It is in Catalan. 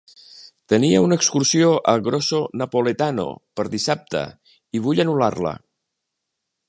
Tenia una excursió a Grosso Napoletano per dissabte i vull anul·lar-la.